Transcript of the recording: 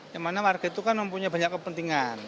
yang mana warga itu kan mempunyai banyak kepentingan